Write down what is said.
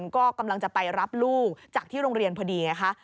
ก็กำลังจะไปรับลูกจากที่โรงเรียนพอดีไงคะ